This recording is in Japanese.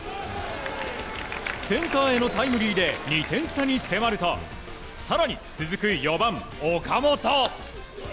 センターへのタイムリーで２点差に迫ると更に、続く４番、岡本。